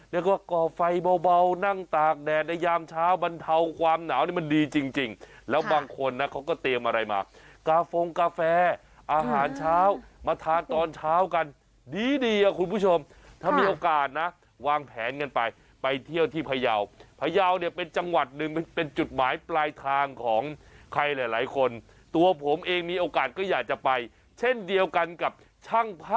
เรียกว่าก่อไฟเบานั่งตากแดดในยามเช้าบรรเทาความหนาวนี่มันดีจริงแล้วบางคนนะเขาก็เตรียมอะไรมากาโฟงกาแฟอาหารเช้ามาทานตอนเช้ากันดีดีอ่ะคุณผู้ชมถ้ามีโอกาสนะวางแผนกันไปไปเที่ยวที่พยาวพยาวเนี่ยเป็นจังหวัดหนึ่งเป็นจุดหมายปลายทางของใครหลายคนตัวผมเองมีโอกาสก็อยากจะไปเช่นเดียวกันกับช่างภาพ